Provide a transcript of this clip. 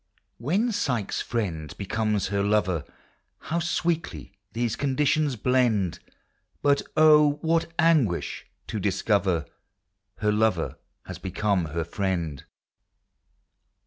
When Psyche's friend becomes her lover, IIow sweetly these conditions blend! But, oh, what anguish to discover Her lover has become — her friend